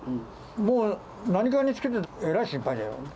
もう何かにつけてえらい心配だよ。